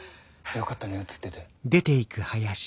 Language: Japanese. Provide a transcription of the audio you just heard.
よかったね映ってて。